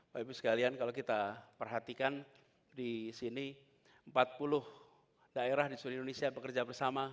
bapak ibu sekalian kalau kita perhatikan di sini empat puluh daerah di seluruh indonesia bekerja bersama